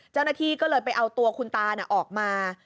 เจ้าหน้าที่ก็เลยไปเอาตัวคุณตาออกมา